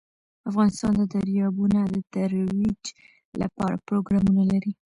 افغانستان د دریابونه د ترویج لپاره پروګرامونه لري.